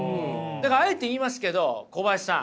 だからあえて言いますけど小林さん。